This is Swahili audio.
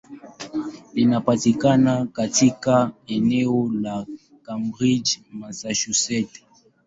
Linapatikana katika eneo la Cambridge, Massachusetts.